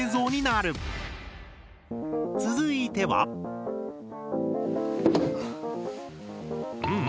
続いては。んん？